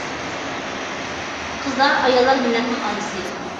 قىزلار، ئاياللار مىللەتنىڭ ئانىسى.